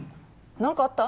何かあった？